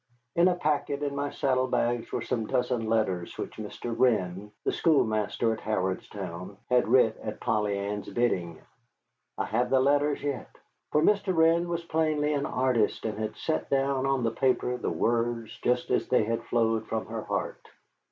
In a packet in my saddle bags were some dozen letters which Mr. Wrenn, the schoolmaster at Harrodstown, had writ at Polly Ann's bidding. I have the letters yet. For Mr. Wrenn was plainly an artist, and had set down on the paper the words just as they had flowed from her heart.